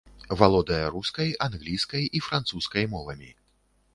Валодае рускай, англійскай і французскай мовамі.